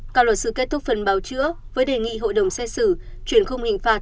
các luật sư kết thúc phần báo chữa với đề nghị hội đồng xét xử chuyển khung hình phạt